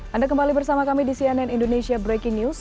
anda kembali bersama kami di cnn indonesia breaking news